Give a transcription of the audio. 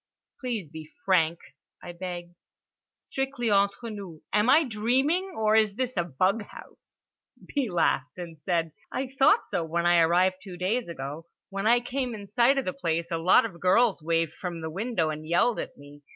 "Please be frank," I begged. "Strictly entre nous: am I dreaming, or is this a bug house?" B. laughed, and said: "I thought so when I arrived two days ago. When I came in sight of the place a lot of girls waved from the window and yelled at me.